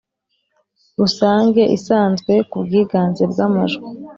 Rusange Isanzwe ku bwiganze bw amajwi